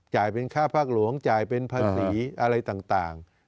เป็นค่าภาคหลวงจ่ายเป็นภาษีอะไรต่าง